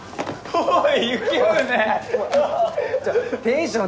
おい。